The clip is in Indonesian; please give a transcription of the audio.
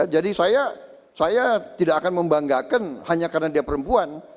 jadi saya tidak akan membanggakan hanya karena dia perempuan